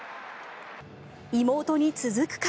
妹に続くか。